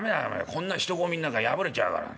こんな人混みん中破れちゃうから。